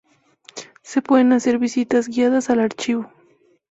Se pueden hacer visitas guiadas al archivo.